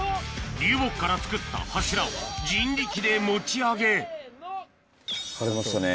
流木から作った柱を人力で持ち上げ張れましたね。